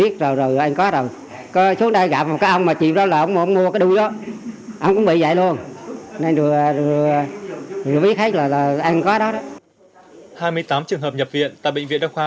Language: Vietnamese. hai mươi tám trường hợp nhập viện tại bệnh viện đa khoa